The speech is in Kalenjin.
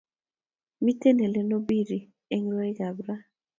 Mite Helen obiri en rwaek ab Raa